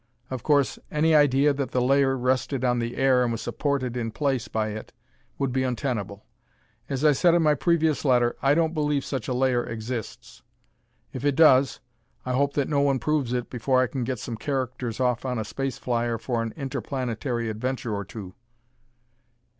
Of course, any idea that the layer rested on the air and was supported in place by it, would be untenable. As I said in my previous letter, I don't believe such a layer exists. If it does, I hope that no one proves it before I get some characters off on a space flyer for an interplanetary adventure or two.